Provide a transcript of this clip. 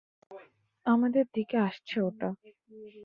আমাদের দিকে আসছে ওটা।